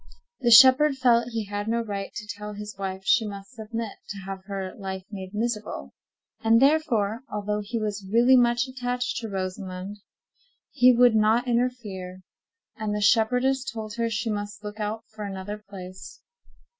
The shepherd felt he had no right to tell his wife she must submit to have her life made miserable, and therefore, although he was really much attached to Rosamond, he would not interfere; and the shepherdess told her she must look out for another place.